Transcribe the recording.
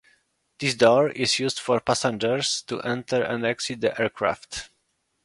This door is used for passengers to enter and exit the aircraft.